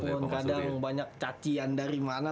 kadang kadang banyak cacian dari mana